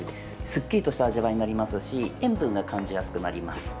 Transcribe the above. すっきりした味わいになりますし塩分が感じやすくなります。